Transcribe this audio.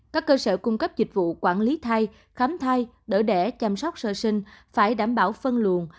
các cơ sở cung cấp dịch vụ quản lý thai khám thai đỡ đẻ chăm sóc sơ sinh phải đảm bảo phân luồn